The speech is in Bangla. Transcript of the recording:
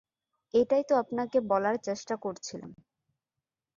এটাই তো আপনাকে বলার চেষ্টা করছিলাম।